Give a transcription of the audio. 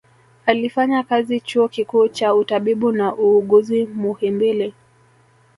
Alifanya kazi chuo kikuu cha utabibu na uuguzi muhimbili